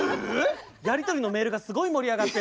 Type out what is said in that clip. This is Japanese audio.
⁉やり取りのメールがすごい盛り上がって。